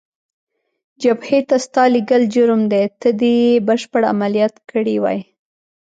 جبهې ته ستا لېږل جرم دی، ته دې یې بشپړ عملیات کړی وای.